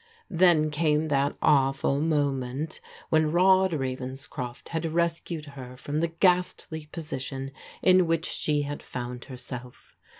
Then came that awful moment when Rod Ravenscroft had rescued her from the ghastly position in which she had found herself.